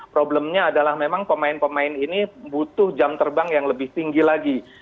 problemnya adalah memang pemain pemain ini butuh jam terbang yang lebih tinggi lagi